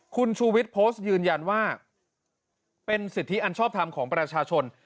คุณชูวิทย์โพสต์ยืนยันว่าเป็นสิทธิอันชอบทำของประชาชน